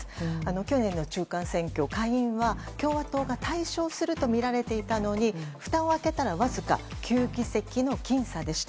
去年の中間選挙、下院は共和党が大勝するとみられていたのにふたを開けたらわずか９議席の僅差でした。